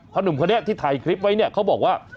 หนุ่มคนนี้ที่ถ่ายคลิปไว้เนี่ยเขาบอกว่า